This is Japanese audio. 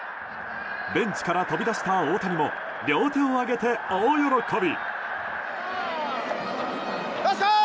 ベンチから飛び出した大谷も両手を上げて大喜び。